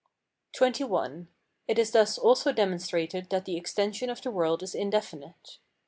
XXI. It is thus also demonstrated that the extension of the world is indefinite.